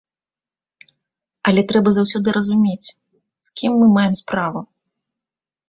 Але трэба заўсёды разумець з кім мы маем справу.